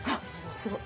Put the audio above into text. すごい。